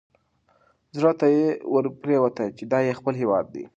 زړه ته یې ورپرېوته چې دا یې خپل هیواد دی.